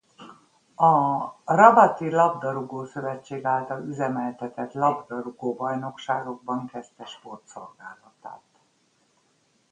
A Rabati Labdarúgó-szövetség által üzemeltetett labdarúgó bajnokságokban kezdte sportszolgálatát.